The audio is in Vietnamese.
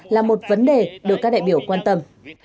là một vấn đề được các đại biểu quan tâm